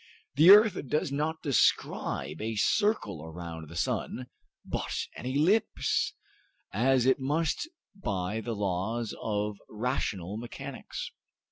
The earth does not describe a circle around the sun, but an ellipse, as it must by the laws of rational mechanics.